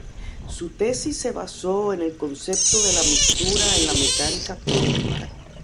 Su tesis se basó en el concepto de la mixtura en la mecánica cuántica.